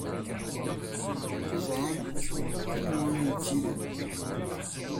Ẓrant anwa ay tt-ilan.